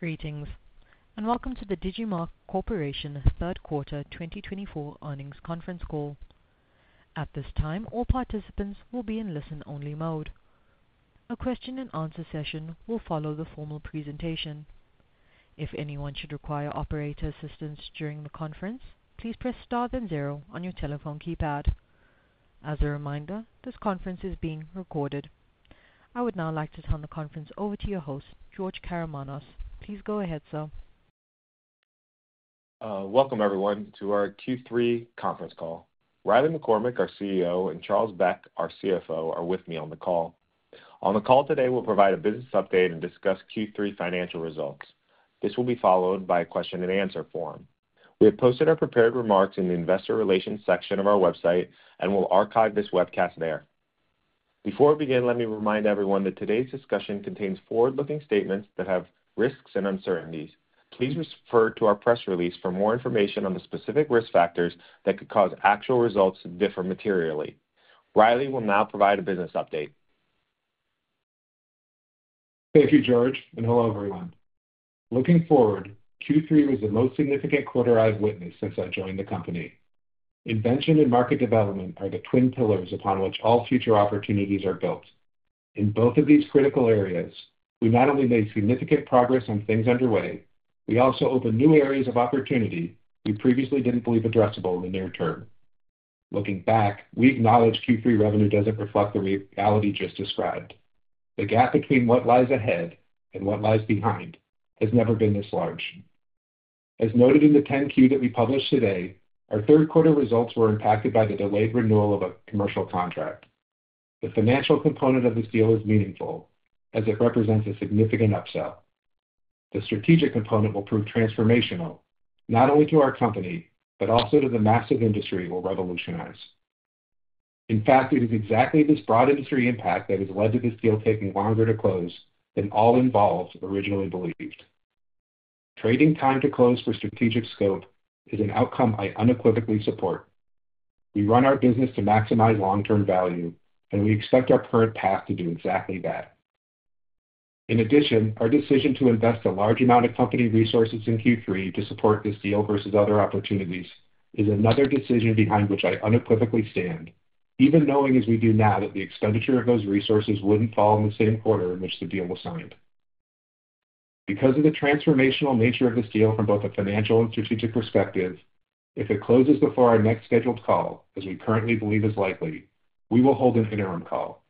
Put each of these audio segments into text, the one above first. Greetings, and welcome to the Digimarc Corporation Third Quarter 2024 Earnings Conference Call. At this time, all participants will be in listen-only mode. A question-and-answer session will follow the formal presentation. If anyone should require operator assistance during the conference, please press star then zero on your telephone keypad. As a reminder, this conference is being recorded. I would now like to turn the conference over to your host, George Karamanos. Please go ahead, sir. Welcome, everyone, to our Q3 conference call. Riley McCormack, our CEO, and Charles Beck, our CFO, are with me on the call. On the call today, we'll provide a business update and discuss Q3 financial results. This will be followed by a question-and-answer form. We have posted our prepared remarks in the investor relations section of our website and will archive this webcast there. Before we begin, let me remind everyone that today's discussion contains forward-looking statements that have risks and uncertainties. Please refer to our press release for more information on the specific risk factors that could cause actual results to differ materially. Riley will now provide a business update. Thank you, George, and hello, everyone. Looking forward, Q3 was the most significant quarter I've witnessed since I joined the company. Invention and market development are the twin pillars upon which all future opportunities are built. In both of these critical areas, we not only made significant progress on things underway, we also opened new areas of opportunity we previously didn't believe addressable in the near term. Looking back, we acknowledge Q3 revenue doesn't reflect the reality just described. The gap between what lies ahead and what lies behind has never been this large. As noted in the Form 10-Q that we published today, our third quarter results were impacted by the delayed renewal of a commercial contract. The financial component of this deal is meaningful, as it represents a significant upsell. The strategic component will prove transformational, not only to our company but also to the massive industry we'll revolutionize. In fact, it is exactly this broad industry impact that has led to this deal taking longer to close than all involved originally believed. Trading time to close for strategic scope is an outcome I unequivocally support. We run our business to maximize long-term value, and we expect our current path to do exactly that. In addition, our decision to invest a large amount of company resources in Q3 to support this deal versus other opportunities is another decision behind which I unequivocally stand, even knowing, as we do now, that the expenditure of those resources wouldn't fall in the same quarter in which the deal was signed. Because of the transformational nature of this deal from both a financial and strategic perspective, if it closes before our next scheduled call, as we currently believe is likely, we will hold an interim call.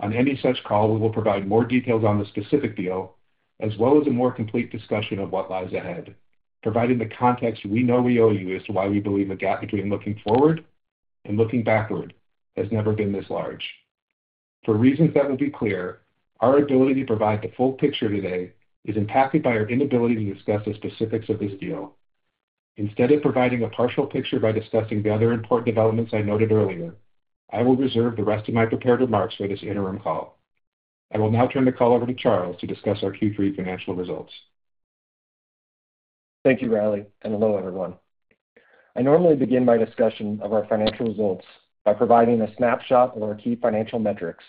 On any such call, we will provide more details on the specific deal as well as a more complete discussion of what lies ahead, providing the context we know we owe you as to why we believe the gap between looking forward and looking backward has never been this large. For reasons that will be clear, our ability to provide the full picture today is impacted by our inability to discuss the specifics of this deal. Instead of providing a partial picture by discussing the other important developments I noted earlier, I will reserve the rest of my prepared remarks for this interim call. I will now turn the call over to Charles to discuss our Q3 financial results. Thank you, Riley, and hello, everyone. I normally begin my discussion of our financial results by providing a snapshot of our key financial metrics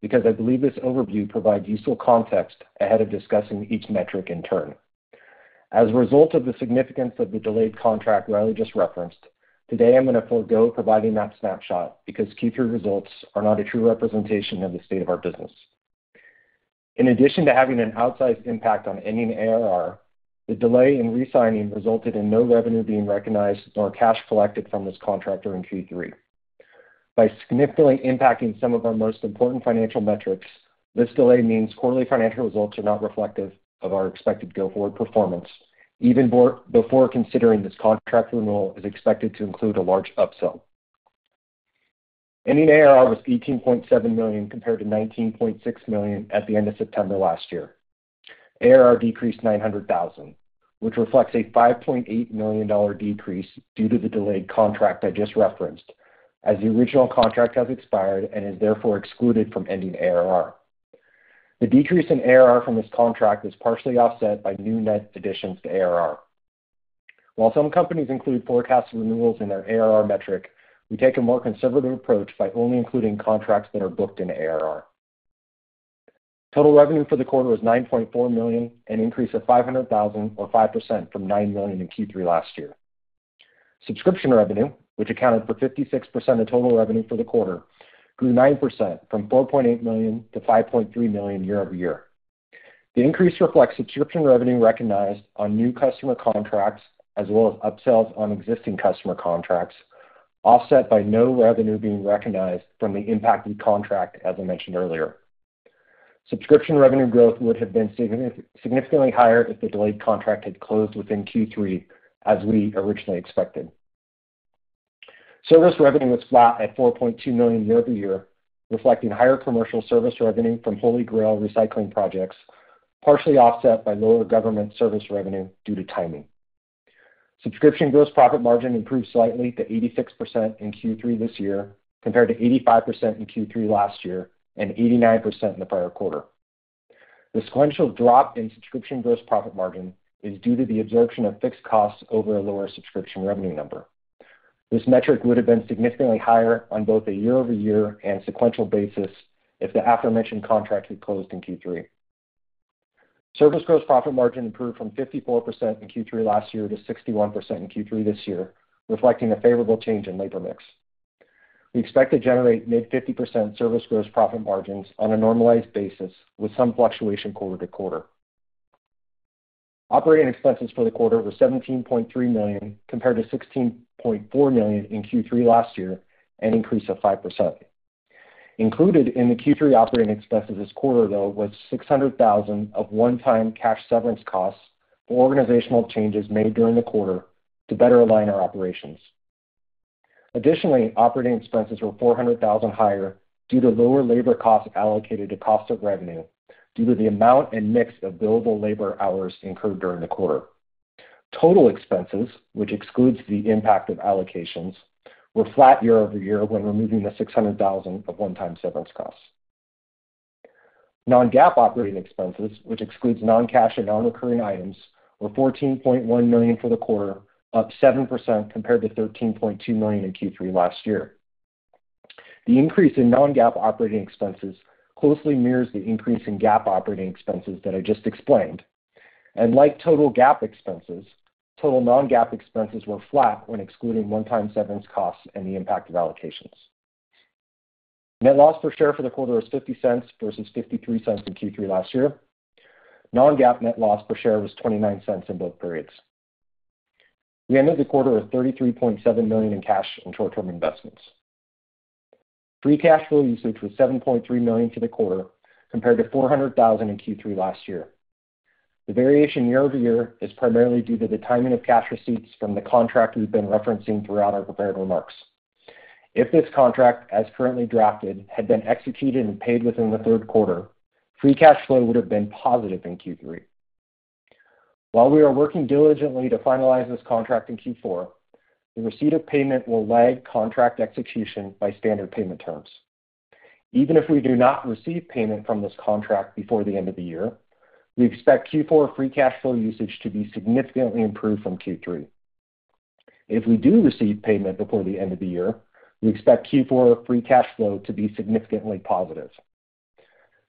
because I believe this overview provides useful context ahead of discussing each metric in turn. As a result of the significance of the delayed contract Riley just referenced, today I'm going to forego providing that snapshot because Q3 results are not a true representation of the state of our business. In addition to having an outsized impact on ending ARR, the delay in re-signing resulted in no revenue being recognized nor cash collected from this contractor in Q3. By significantly impacting some of our most important financial metrics, this delay means quarterly financial results are not reflective of our expected go-forward performance, even before considering this contract renewal is expected to include a large upsell. Ending ARR was $18.7 million compared to $19.6 million at the end of September last year. ARR decreased $900,000, which reflects a $5.8 million decrease due to the delayed contract I just referenced, as the original contract has expired and is therefore excluded from ending ARR. The decrease in ARR from this contract is partially offset by new net additions to ARR. While some companies include forecast renewals in their ARR metric, we take a more conservative approach by only including contracts that are booked in ARR. Total revenue for the quarter was $9.4 million, an increase of $500,000 or 5% from $9 million in Q3 last year. Subscription revenue, which accounted for 56% of total revenue for the quarter, grew 9% from $4.8 million to $5.3 million year-over-year. The increase reflects subscription revenue recognized on new customer contracts as well as upsells on existing customer contracts, offset by no revenue being recognized from the impacted contract, as I mentioned earlier. Subscription revenue growth would have been significantly higher if the delayed contract had closed within Q3, as we originally expected. Service revenue was flat at $4.2 million year-over-year, reflecting higher commercial service revenue from HolyGrail 2.0 recycling projects, partially offset by lower government service revenue due to timing. Subscription gross profit margin improved slightly to 86% in Q3 this year compared to 85% in Q3 last year and 89% in the prior quarter. The sequential drop in subscription gross profit margin is due to the absorption of fixed costs over a lower subscription revenue number. This metric would have been significantly higher on both a year-over-year and sequential basis if the aforementioned contract had closed in Q3. Service gross profit margin improved from 54% in Q3 last year to 61% in Q3 this year, reflecting a favorable change in labor mix. We expect to generate mid-50% service gross profit margins on a normalized basis with some fluctuation quarter to quarter. Operating expenses for the quarter were $17.3 million compared to $16.4 million in Q3 last year, an increase of 5%. Included in the Q3 operating expenses this quarter, though, was $600,000 of one-time cash severance costs for organizational changes made during the quarter to better align our operations. Additionally, operating expenses were $400,000 higher due to lower labor costs allocated to cost of revenue due to the amount and mix of billable labor hours incurred during the quarter. Total expenses, which excludes the impact of allocations, were flat year-over-year when removing the $600,000 of one-time severance costs. Non-GAAP operating expenses, which excludes non-cash and non-recurring items, were $14.1 million for the quarter, up 7% compared to $13.2 million in Q3 last year. The increase in non-GAAP operating expenses closely mirrors the increase in GAAP operating expenses that I just explained, and like total GAAP expenses, total non-GAAP expenses were flat when excluding one-time severance costs and the impact of allocations. Net loss per share for the quarter was $0.50 versus $0.53 in Q3 last year. Non-GAAP net loss per share was $0.29 in both periods. We ended the quarter with $33.7 million in cash and short-term investments. Free cash flow usage was $7.3 million for the quarter compared to $400,000 in Q3 last year. The variation year-over-year is primarily due to the timing of cash receipts from the contract we've been referencing throughout our prepared remarks. If this contract, as currently drafted, had been executed and paid within the third quarter, free cash flow would have been positive in Q3. While we are working diligently to finalize this contract in Q4, the receipt of payment will lag contract execution by standard payment terms. Even if we do not receive payment from this contract before the end of the year, we expect Q4 free cash flow usage to be significantly improved from Q3. If we do receive payment before the end of the year, we expect Q4 free cash flow to be significantly positive.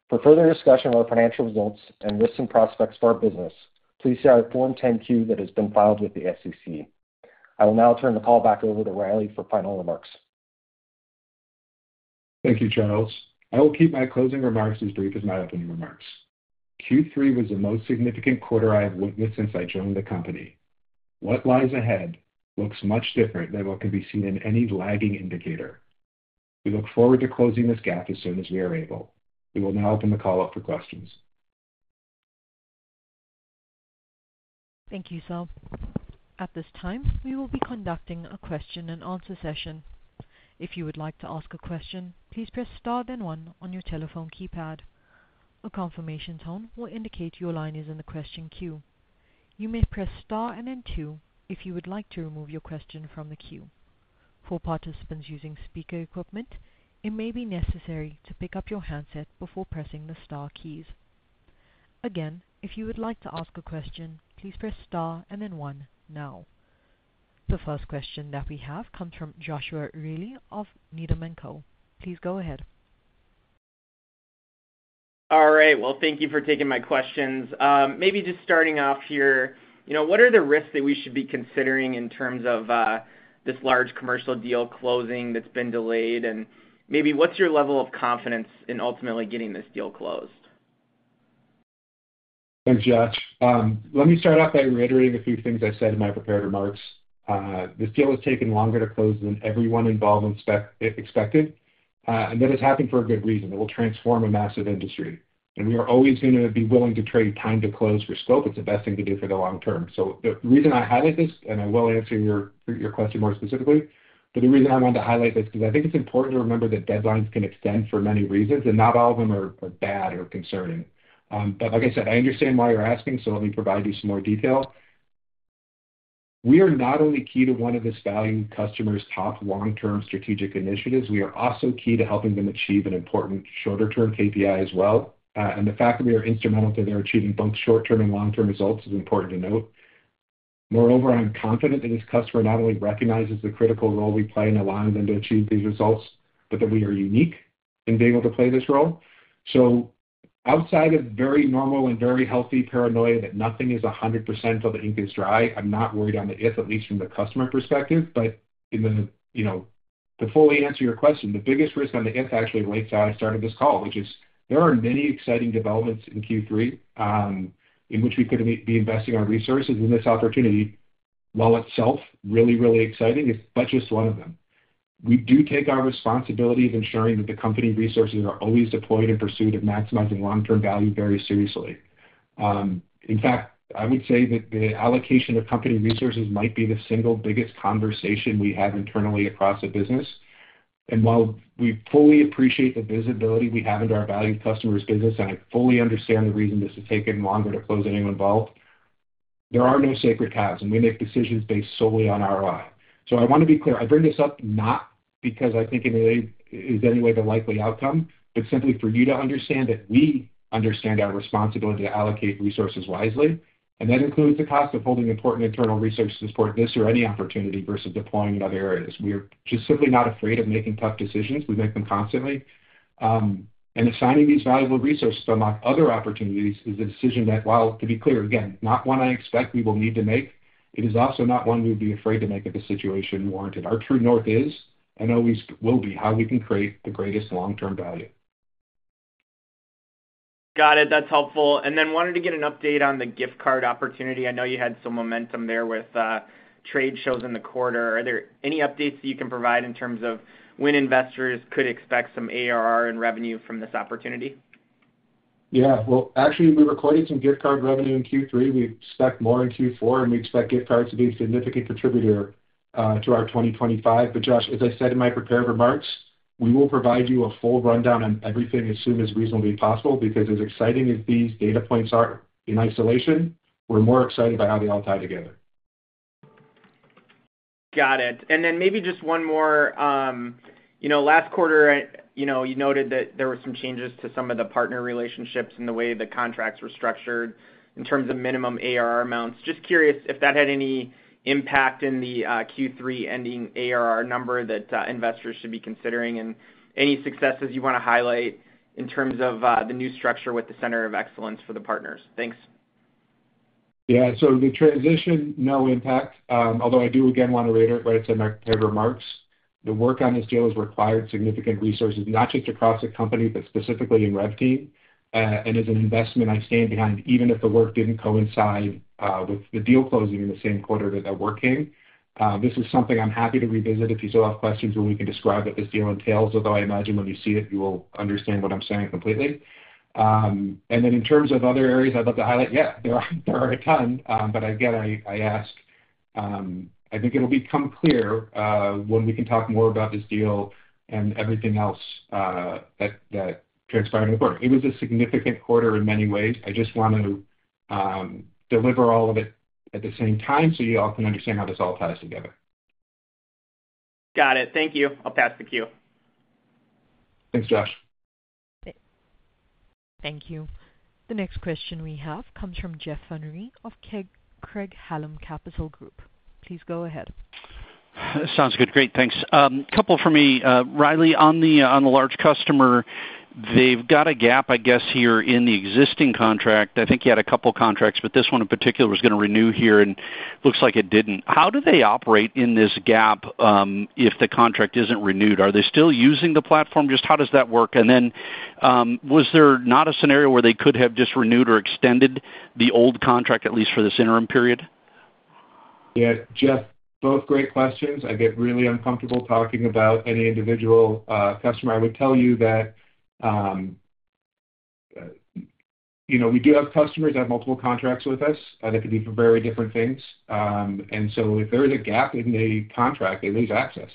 For further discussion of our financial results and risks and prospects for our business, please see our Form 10-Q that has been filed with the SEC. I will now turn the call back over to Riley for final remarks. Thank you, Charles. I will keep my closing remarks as brief as my opening remarks. Q3 was the most significant quarter I've witnessed since I joined the company. What lies ahead looks much different than what can be seen in any lagging indicator. We look forward to closing this gap as soon as we are able. We will now open the call up for questions. Thank you, sir. At this time, we will be conducting a question-and-answer session. If you would like to ask a question, please press star then one on your telephone keypad. A confirmation tone will indicate your line is in the question queue. You may press star and then two if you would like to remove your question from the queue. For participants using speaker equipment, it may be necessary to pick up your handset before pressing the star keys. Again, if you would like to ask a question, please press star and then one now. The first question that we have comes from Joshua Reilly of Needham & Company. Please go ahead. All right. Thank you for taking my questions. Maybe just starting off here, what are the risks that we should be considering in terms of this large commercial deal closing that's been delayed? And maybe what's your level of confidence in ultimately getting this deal closed? Thanks, Josh. Let me start off by reiterating a few things I said in my prepared remarks. This deal has taken longer to close than everyone involved expected, and that has happened for a good reason. It will transform a massive industry, and we are always going to be willing to trade time to close for scope. It's the best thing to do for the long term, so the reason I highlight this, and I will answer your question more specifically, but the reason I wanted to highlight this because I think it's important to remember that deadlines can extend for many reasons, and not all of them are bad or concerning, but like I said, I understand why you're asking, so let me provide you some more detail. We are not only key to one of this valued customer's top long-term strategic initiatives, we are also key to helping them achieve an important shorter-term KPI as well. And the fact that we are instrumental to their achieving both short-term and long-term results is important to note. Moreover, I'm confident that this customer not only recognizes the critical role we play in allowing them to achieve these results, but that we are unique in being able to play this role. So outside of very normal and very healthy paranoia that nothing is 100% till the ink is dry, I'm not worried on the if, at least from the customer perspective. But to fully answer your question, the biggest risk on the if actually echoes how I started this call, which is there are many exciting developments in Q3 in which we could be investing our resources in this opportunity. While itself really, really exciting, it's but just one of them. We do take our responsibility of ensuring that the company resources are always deployed in pursuit of maximizing long-term value very seriously. In fact, I would say that the allocation of company resources might be the single biggest conversation we have internally across the business. While we fully appreciate the visibility we have into our valued customer's business, and I fully understand the reason this has taken longer to close anyone involved, there are no sacred cows, and we make decisions based solely on ROI. I want to be clear. I bring this up not because I think it is any way the likely outcome, but simply for you to understand that we understand our responsibility to allocate resources wisely. And that includes the cost of holding important internal resources for this or any opportunity versus deploying in other areas. We are just simply not afraid of making tough decisions. We make them constantly. And assigning these valuable resources among other opportunities is a decision that, while to be clear, again, not one I expect we will need to make, it is also not one we would be afraid to make if the situation warranted. Our True North is, and always will be, how we can create the greatest long-term value. Got it. That's helpful, and then wanted to get an update on the gift card opportunity. I know you had some momentum there with trade shows in the quarter. Are there any updates that you can provide in terms of when investors could expect some ARR and revenue from this opportunity? Yeah. Well, actually, we recorded some gift card revenue in Q3. We expect more in Q4, and we expect gift cards to be a significant contributor to our 2025. But Josh, as I said in my prepared remarks, we will provide you a full rundown on everything as soon as reasonably possible because as exciting as these data points are in isolation, we're more excited by how they all tie together. Got it. And then maybe just one more. Last quarter, you noted that there were some changes to some of the partner relationships and the way the contracts were structured in terms of minimum ARR amounts. Just curious if that had any impact in the Q3 ending ARR number that investors should be considering and any successes you want to highlight in terms of the new structure with the Center of Excellence for the partners. Thanks. Yeah. So the transition, no impact. Although I do, again, want to reiterate what I said in my prepared remarks. The work on this deal has required significant resources, not just across the company, but specifically in Rev Team. And as an investment, I stand behind even if the work didn't coincide with the deal closing in the same quarter that that work came. This is something I'm happy to revisit if you still have questions where we can describe what this deal entails, although I imagine when you see it, you will understand what I'm saying completely. And then in terms of other areas I'd love to highlight, yeah, there are a ton, but again, I ask. I think it'll become clear when we can talk more about this deal and everything else that transpired in the quarter. It was a significant quarter in many ways. I just want to deliver all of it at the same time so you all can understand how this all ties together. Got it. Thank you. I'll pass the queue. Thanks, Josh. Thank you. The next question we have comes from Jeff Van Rhee of Craig-Hallum Capital Group. Please go ahead. Sounds good. Great. Thanks. Couple for me. Riley, on the large customer, they've got a gap, I guess, here in the existing contract. I think you had a couple of contracts, but this one in particular was going to renew here and looks like it didn't. How do they operate in this gap if the contract isn't renewed? Are they still using the platform? Just how does that work? And then was there not a scenario where they could have just renewed or extended the old contract, at least for this interim period? Yes. Jeff, both great questions. I get really uncomfortable talking about any individual customer. I would tell you that we do have customers that have multiple contracts with us, and it could be for very different things. And so if there is a gap in the contract, at least access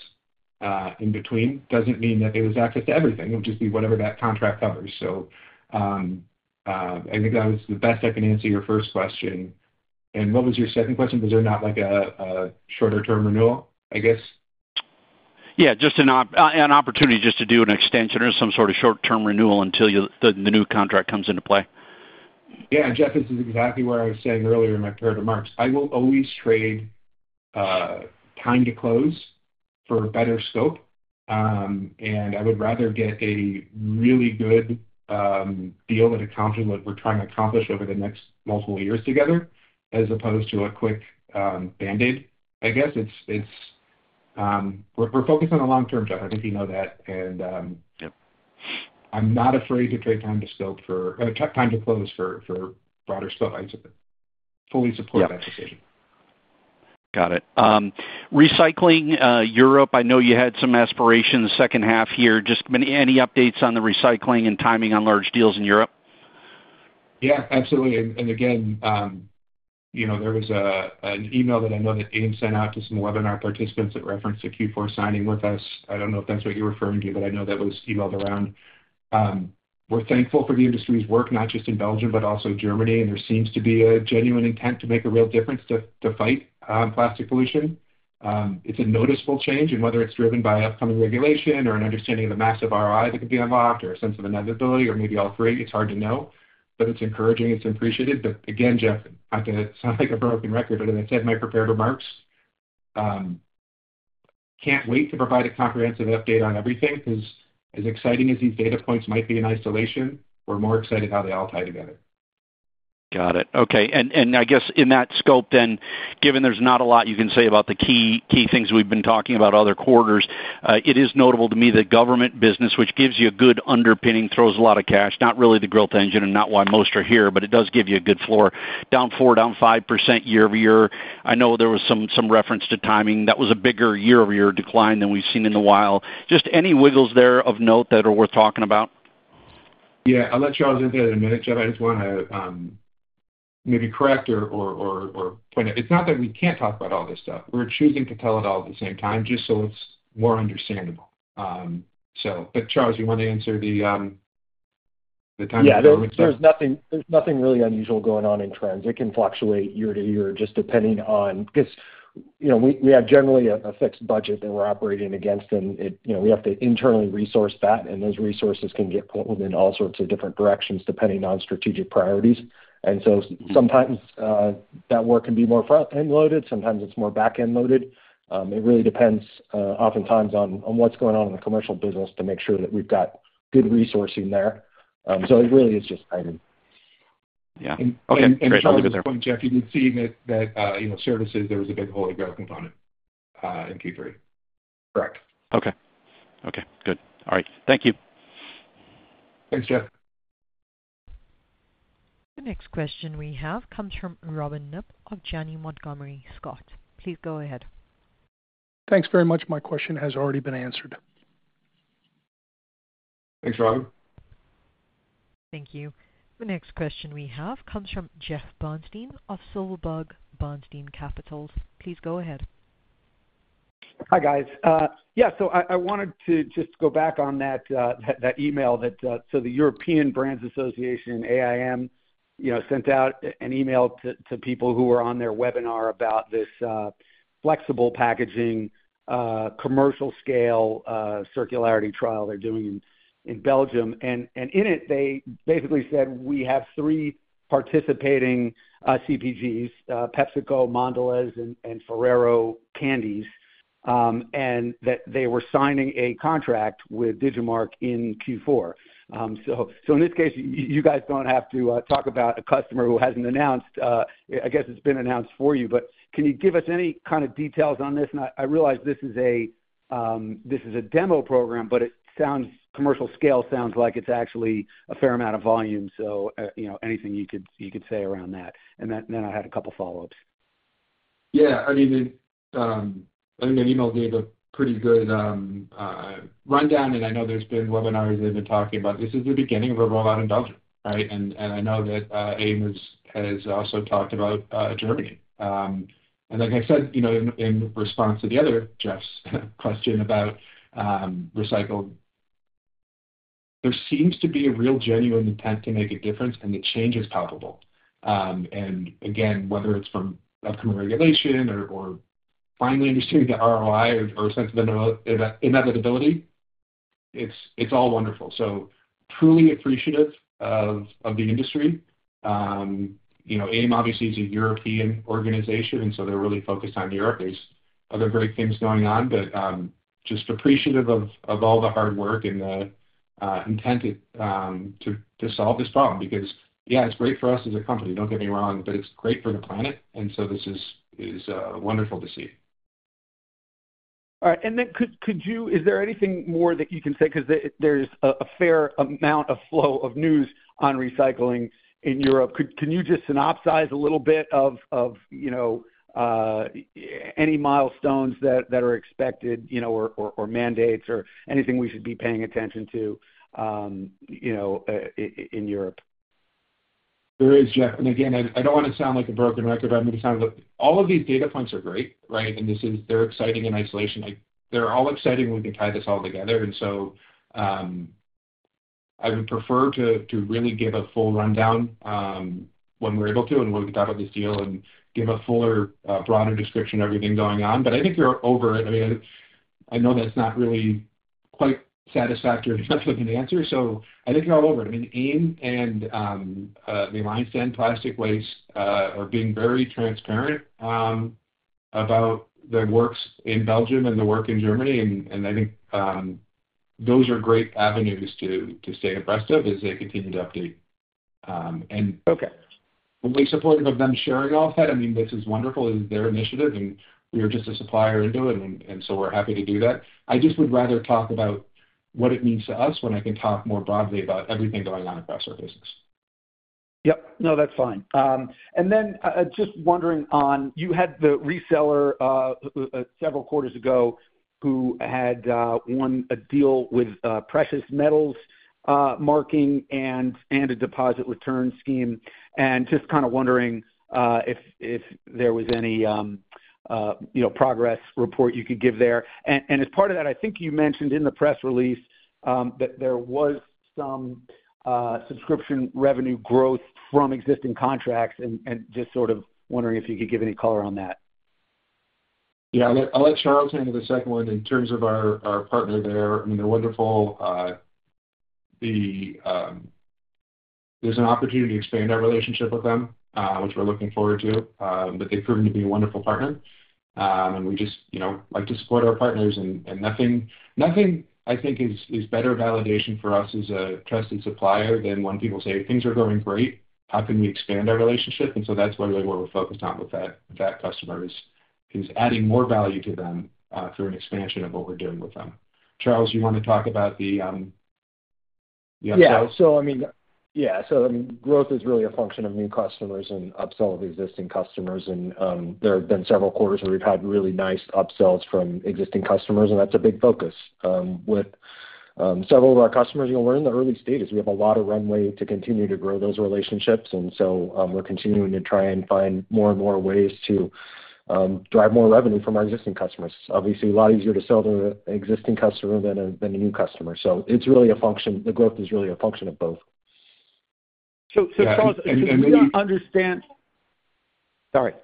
in between doesn't mean that there was access to everything. It would just be whatever that contract covers. So I think that was the best I can answer your first question. And what was your second question? Was there not a shorter-term renewal, I guess? Yeah. Just an opportunity just to do an extension or some sort of short-term renewal until the new contract comes into play. Yeah. Jeff, this is exactly where I was saying earlier in my prepared remarks. I will always trade time to close for better scope. And I would rather get a really good deal that we're trying to accomplish over the next multiple years together as opposed to a quick Band-Aid, I guess. We're focused on the long-term, Jeff. I think you know that. And I'm not afraid to trade time to scope for time to close for broader scope. I fully support that decision. Got it. Recycling Europe, I know you had some aspirations the second half here. Just any updates on the recycling and timing on large deals in Europe? Yeah. Absolutely. And again, there was an email that I know that AIM sent out to some webinar participants that referenced the Q4 signing with us. I don't know if that's what you're referring to, but I know that was emailed around. We're thankful for the industry's work, not just in Belgium, but also Germany. And there seems to be a genuine intent to make a real difference to fight plastic pollution. It's a noticeable change. And whether it's driven by upcoming regulation or an understanding of the massive ROI that could be unlocked or a sense of inevitability or maybe all three, it's hard to know. But it's encouraging. It's appreciated. But again, Jeff, not to sound like a broken record, but as I said in my prepared remarks, can't wait to provide a comprehensive update on everything because as exciting as these data points might be in isolation, we're more excited how they all tie together. Got it. Okay. And I guess in that scope then, given there's not a lot you can say about the key things we've been talking about other quarters, it is notable to me that government business, which gives you a good underpinning, throws a lot of cash, not really the growth engine and not why most are here, but it does give you a good floor. Down 4%, down 5% year-over-year. I know there was some reference to timing. That was a bigger year-over-year decline than we've seen in a while. Just any wiggles there of note that are worth talking about? Yeah. I'll let Charles in there in a minute. Jeff, I just want to maybe correct or point out. It's not that we can't talk about all this stuff. We're choosing to tell it all at the same time just so it's more understandable. But Charles, you want to answer the time to close? Yeah. There's nothing really unusual going on in trends. It can fluctuate year to year just depending on because we have generally a fixed budget that we're operating against, and we have to internally resource that. And those resources can get put within all sorts of different directions depending on strategic priorities. And so sometimes that work can be more front-end loaded. Sometimes it's more back-end loaded. It really depends oftentimes on what's going on in the commercial business to make sure that we've got good resourcing there. So it really is just timing. Yeah. Okay. And from that point, Jeff, you can see that services, there was a big holy grail component in Q3. Correct. Okay. Okay. Good. All right. Thank you. Thanks, Jeff. The next question we have comes from Robin Knapp of Janney Montgomery Scott. Please go ahead. Thanks very much. My question has already been answered. Thanks, Robin. Thank you. The next question we have comes from Jeff Bernstein of Silverberg Bernstein Capital Management. Please go ahead. Hi, guys. Yeah. So I wanted to just go back on that email that the European Brands Association AIM sent out an email to people who were on their webinar about this flexible packaging commercial-scale circularity trial they're doing in Belgium. And in it, they basically said, "We have three participating CPGs, PepsiCo, Mondelez, and Ferrero," and that they were signing a contract with Digimarc in Q4. So in this case, you guys don't have to talk about a customer who hasn't announced. I guess it's been announced for you, but can you give us any kind of details on this? And I realize this is a demo program, but commercial scale sounds like it's actually a fair amount of volume. So anything you could say around that? And then I had a couple of follow-ups. Yeah. I mean, I think that email gave a pretty good rundown, and I know there's been webinars they've been talking about. This is the beginning of a rollout in Belgium, right? And I know that AIM has also talked about Germany. And like I said, in response to the other Jeff's question about recycled, there seems to be a real genuine intent to make a difference, and the change is palpable. And again, whether it's from upcoming regulation or finally understanding the ROI or a sense of inevitability, it's all wonderful. So truly appreciative of the industry. AIM obviously is a European organization, and so they're really focused on Europe. There's other great things going on, but just appreciative of all the hard work and the intent to solve this problem because, yeah, it's great for us as a company. Don't get me wrong, but it's great for the planet, and so this is wonderful to see. All right. And then is there anything more that you can say? Because there's a fair amount of flow of news on recycling in Europe. Can you just synopsize a little bit of any milestones that are expected or mandates or anything we should be paying attention to in Europe? There is, Jeff. And again, I don't want to sound like a broken record, but I'm going to sound like all of these data points are great, right? And they're exciting in isolation. They're all exciting when we tie this all together. And so I would prefer to really give a full rundown when we're able to, and we'll talk about this deal and give a fuller, broader description of everything going on. But I think you're over it. I mean, I know that's not really quite satisfactory enough of an answer. So I think you're all over it. I mean, AIM and the Alliance to End Plastic Waste are being very transparent about the works in Belgium and the work in Germany. And I think those are great avenues to stay abreast of as they continue to update. And we're supportive of them sharing all of that. I mean, this is wonderful. This is their initiative, and we are just a supplier into it, and so we're happy to do that. I just would rather talk about what it means to us when I can talk more broadly about everything going on across our business. Yep. No, that's fine. And then just wondering on you had the reseller several quarters ago who had won a deal with precious metals marking and a deposit return scheme. And just kind of wondering if there was any progress report you could give there. And as part of that, I think you mentioned in the press release that there was some subscription revenue growth from existing contracts, and just sort of wondering if you could give any color on that. Yeah. I'll let Charles handle the second one in terms of our partner there. I mean, they're wonderful. There's an opportunity to expand our relationship with them, which we're looking forward to, but they've proven to be a wonderful partner. And we just like to support our partners. And nothing, I think, is better validation for us as a trusted supplier than when people say, "Things are going great. How can we expand our relationship?" And so that's really what we're focused on with that customer is adding more value to them through an expansion of what we're doing with them. Charles, you want to talk about the upsell? Yeah. So I mean, growth is really a function of new customers and upsell of existing customers. And there have been several quarters where we've had really nice upsells from existing customers, and that's a big focus. With several of our customers, you'll learn the early stages. We have a lot of runway to continue to grow those relationships. And so we're continuing to try and find more and more ways to drive more revenue from our existing customers. Obviously, a lot easier to sell to an existing customer than a new customer. So it's really a function of both. So Charles. And then I understand. Sorry.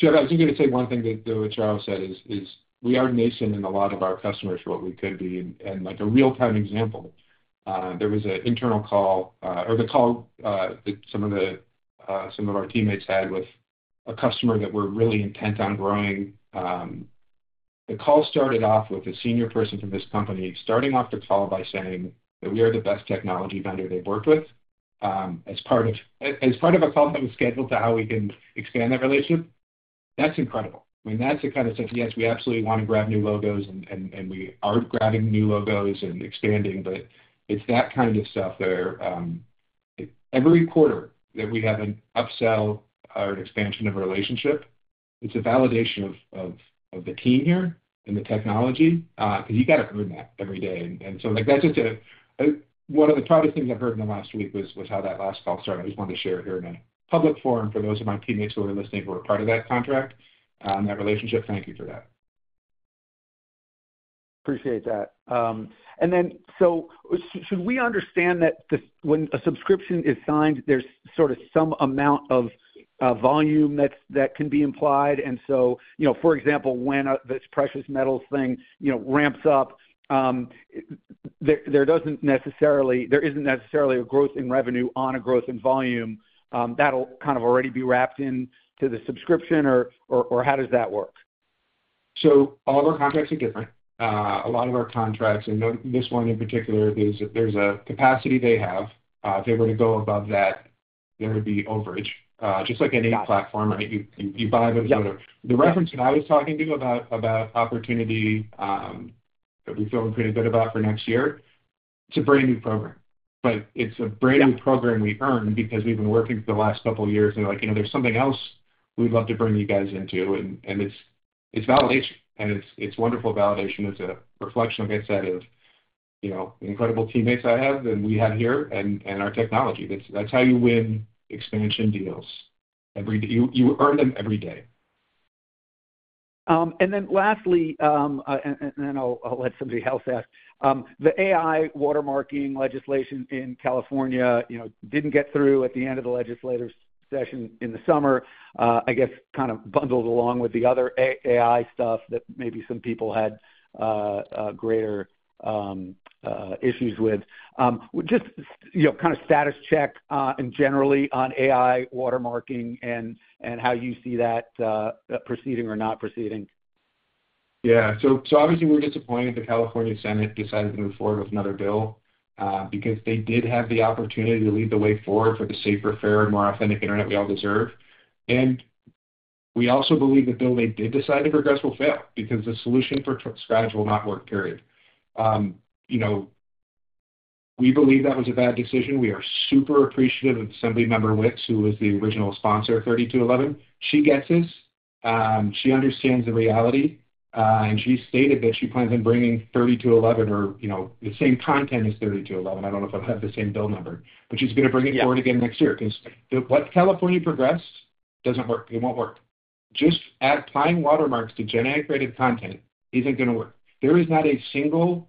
Jeff, I was just going to say one thing that Charles said is we are nascent in a lot of our customers for what we could be, and a real-time example, there was an internal call or the call that some of our teammates had with a customer that we're really intent on growing. The call started off with a senior person from this company starting off the call by saying that we are the best technology vendor they've worked with as part of a call that was scheduled to how we can expand that relationship. That's incredible. I mean, that's the kind of stuff, yes, we absolutely want to grab new logos, and we are grabbing new logos and expanding, but it's that kind of stuff where every quarter that we have an upsell or an expansion of a relationship, it's a validation of the team here and the technology because you got to earn that every day. And so that's just one of the proudest things I've heard in the last week was how that last call started. I just wanted to share it here in a public forum for those of my teammates who are listening who are part of that contract, that relationship. Thank you for that. Appreciate that. And then so should we understand that when a subscription is signed, there's sort of some amount of volume that can be implied? And so, for example, when this Precious Metals thing ramps up, there isn't necessarily a growth in revenue on a growth in volume that'll kind of already be wrapped into the subscription, or how does that work? So all of our contracts are different. A lot of our contracts, and this one in particular, there's a capacity they have. If they were to go above that, there would be overage, just like any platform, right? You buy the reference that I was talking to about opportunity that we feel pretty good about for next year. It's a brand new program, but it's a brand new program we earn because we've been working for the last couple of years. And there's something else we'd love to bring you guys into. And it's validation. And it's wonderful validation. It's a reflection, like I said, of incredible teammates I have and we have here and our technology. That's how you win expansion deals. You earn them every day. And then lastly, and then I'll let somebody else ask, the AI watermarking legislation in California didn't get through at the end of the legislative session in the summer, I guess kind of bundled along with the other AI stuff that maybe some people had greater issues with. Just kind of status check and generally on AI watermarking and how you see that proceeding or not proceeding. Yeah. So obviously, we're disappointed that California Senate decided to move forward with another bill because they did have the opportunity to lead the way forward for the safer, fairer, more authentic internet we all deserve. And we also believe the bill they did decide to progress will fail because the solution for scratch will not work, period. We believe that was a bad decision. We are super appreciative of Assemblymember Wicks, who was the original sponsor of 3211. She gets this. She understands the reality. And she stated that she plans on bringing 3211 or the same content as 3211. I don't know if it'll have the same bill number, but she's going to bring it forward again next year because what California progressed doesn't work. It won't work. Just applying watermarks to gen-integrated content isn't going to work. There is not a single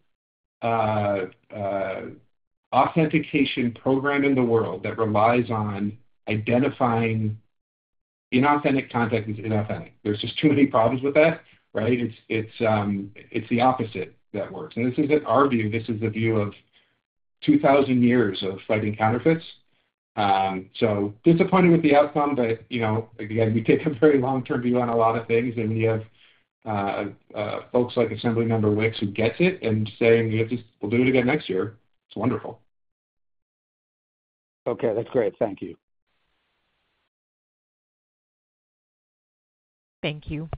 authentication program in the world that relies on identifying inauthentic content as inauthentic. There's just too many problems with that, right? It's the opposite that works. And this isn't our view. This is the view of 2,000 years of fighting counterfeits. So disappointed with the outcome, but again, we take a very long-term view on a lot of things. And we have folks like Assemblymember Wicks who gets it and saying, "We'll do it again next year." It's wonderful. Okay. That's great. Thank you. Thank you.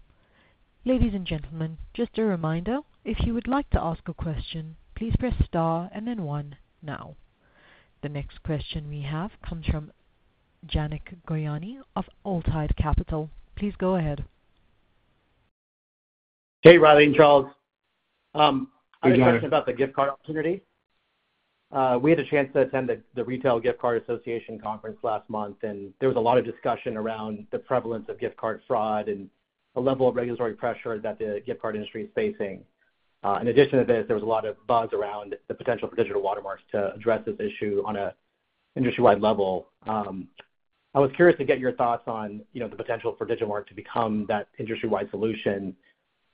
Ladies and gentlemen, just a reminder, if you would like to ask a question, please press star and then one now. The next question we have comes from Janak Goyani of Altai Capital. Please go ahead. Hey, Riley and Charles. Hey, Janak. I have a question about the gift card opportunity. We had a chance to attend the Retail Gift Card Association conference last month, and there was a lot of discussion around the prevalence of gift card fraud and the level of regulatory pressure that the gift card industry is facing. In addition to this, there was a lot of buzz around the potential for digital watermarks to address this issue on an industry-wide level. I was curious to get your thoughts on the potential for Digimarc to become that industry-wide solution.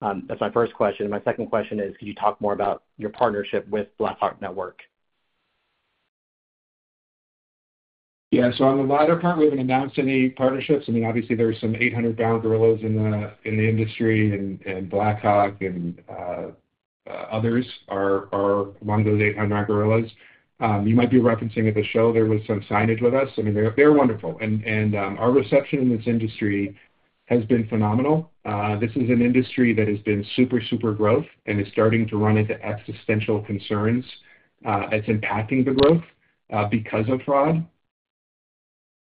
That's my first question. And my second question is, could you talk more about your partnership with Blackhawk Network? Yeah. So on the latter part, we haven't announced any partnerships. I mean, obviously, there are some 800-pound gorillas in the industry, and Blackhawk and others are among those 800-pound gorillas. You might be referencing at the show. There was some signage with us. I mean, they're wonderful. And our reception in this industry has been phenomenal. This is an industry that has been super, super growth and is starting to run into existential concerns that's impacting the growth because of fraud.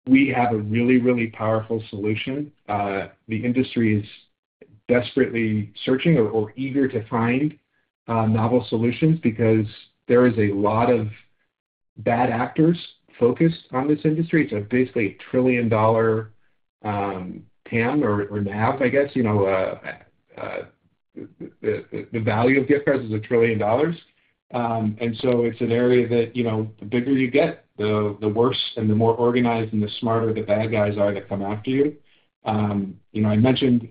We have a really, really powerful solution. The industry is desperately searching or eager to find novel solutions because there is a lot of bad actors focused on this industry. It's basically a trillion-dollar TAM or NAV, I guess. The value of gift cards is a trillion dollars. And so it's an area that the bigger you get, the worse and the more organized and the smarter the bad guys are that come after you. I mentioned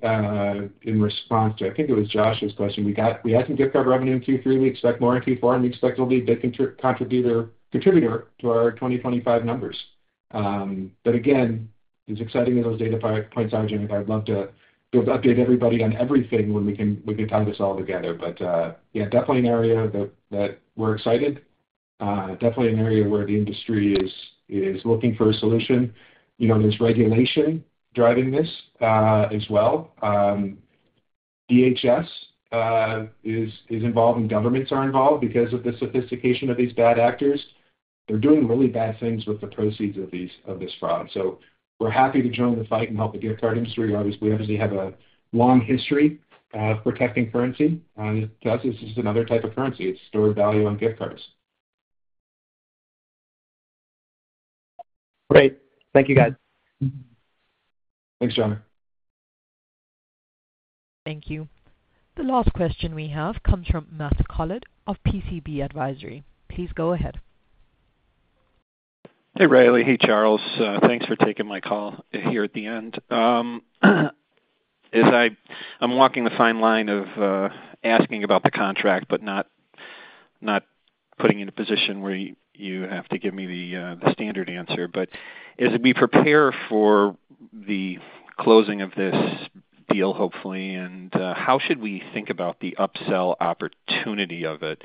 in response to, I think it was Josh's question, we had some gift card revenue in Q3. We expect more in Q4, and we expect it'll be a big contributor to our 2025 numbers. But again, as exciting as those data points are, Janet, I'd love to be able to update everybody on everything when we can tie this all together. But yeah, definitely an area that we're excited. Definitely an area where the industry is looking for a solution. There's regulation driving this as well. DHS is involved, and governments are involved because of the sophistication of these bad actors. They're doing really bad things with the proceeds of this fraud. So we're happy to join the fight and help the gift card industry. Obviously, we have a long history of protecting currency. To us, this is another type of currency. It's stored value on gift cards. Great. Thank you, guys. Thanks, Jonak. Thank you. The last question we have comes from Matt Collett of PCB Advisory. Please go ahead. Hey, Riley. Hey, Charles. Thanks for taking my call here at the end. I'm walking the fine line of asking about the contract, but not putting you in a position where you have to give me the standard answer. But as we prepare for the closing of this deal, hopefully, and how should we think about the upsell opportunity of it?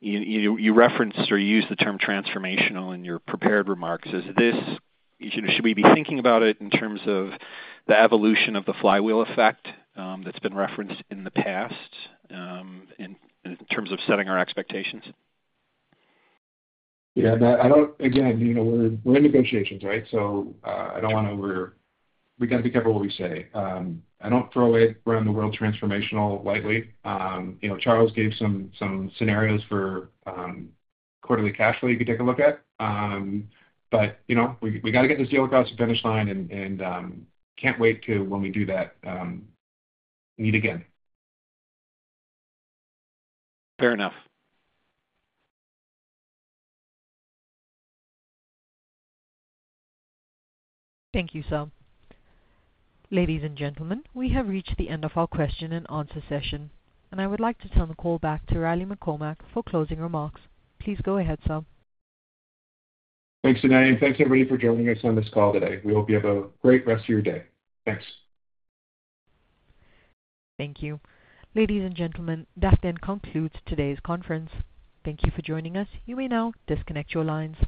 You referenced or used the term transformational in your prepared remarks. Should we be thinking about it in terms of the evolution of the flywheel effect that's been referenced in the past in terms of setting our expectations? Yeah. Again, we're in negotiations, right? So I don't want to. We got to be careful what we say. I don't throw around the word transformational lightly. Charles gave some scenarios for quarterly cash flow. You could take a look at. But we got to get this deal across the finish line and can't wait to, when we do that, meet again. Fair enough. Thank you, sir. Ladies and gentlemen, we have reached the end of our question and answer session, and I would like to turn the call back to Riley McCormack for closing remarks. Please go ahead, sir. Thanks, Janet. And thanks, everybody, for joining us on this call today. We hope you have a great rest of your day. Thanks. Thank you. Ladies and gentlemen, that then concludes today's conference. Thank you for joining us. You may now disconnect your lines.